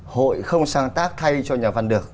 hội không sáng tác thay cho nhà văn được